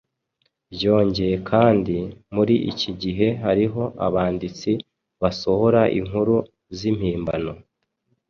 Byongeye kandi, muri iki gihe hariho abanditsi basohora inkuru z’impimbano,